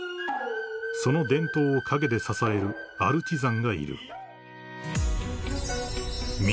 ［その伝統を陰で支えるアルチザンがいる］